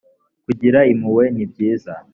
kugira impuhwe nibyiza.